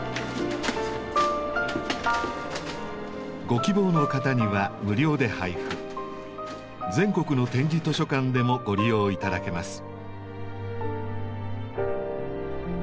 ご希望の方には無料で配布全国の点字図書館でもご利用頂けます。